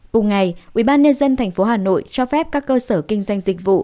cùng ngày ubnd tp hà nội cho phép các cơ sở kinh doanh dịch vụ